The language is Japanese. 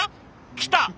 来た！